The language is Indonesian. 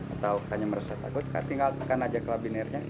atau kakaknya merasa takut kak tinggalkan aja ke labinernya